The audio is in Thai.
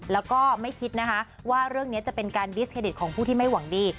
แล้วก็ไม่คิดนะคะว่าเรื่องนี้จะเป็นการดิสเครดิตของผู้ที่ไม่หวังดี